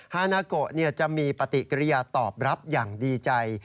ฮานาโกะจะมีปฏิกิริยาตอบรับอย่างดีใจ